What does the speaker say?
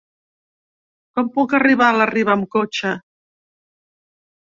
Com puc arribar a la Riba amb cotxe?